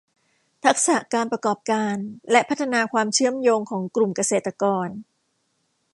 ทักษะการประกอบการและพัฒนาความเชื่อมโยงของกลุ่มเกษตรกร